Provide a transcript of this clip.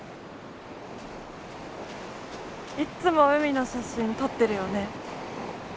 いっつも海の写真撮ってるよね。